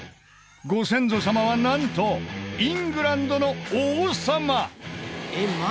ご先祖様はなんとイングランドの王様！